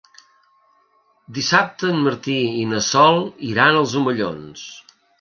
Dissabte en Martí i na Sol iran als Omellons.